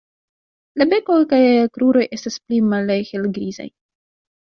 La beko kaj kruroj estas pli malhelgrizaj.